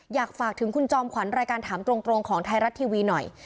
อยากฝากถึงคุณจอมขวัญรายการถามตรงของไทยรัฐทีวีหน่อย